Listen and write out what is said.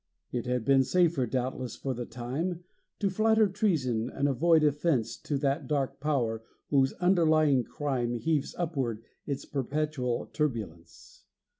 It had been safer, doubtless, for the time, To flatter treason, and avoid offence To that Dark Power whose underlying crime Heaves upward its perpetual turbulence.